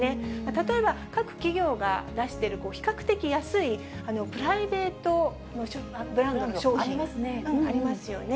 例えば、各企業が出してる、比較的安いプライベートブランドの商品ありますよね。